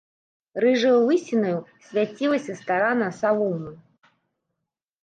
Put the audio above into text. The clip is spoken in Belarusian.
Рыжаю лысінаю свяцілася старана саломы.